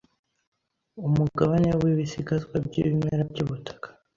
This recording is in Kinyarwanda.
umugabane wibisigazwa by'ibimera byubutaka